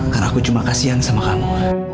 karena aku cuma kasihan sama kamu